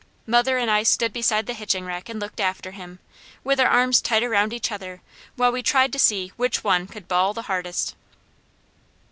Mother and I stood beside the hitching rack and looked after him, with our arms tight around each other while we tried to see which one could bawl the hardest.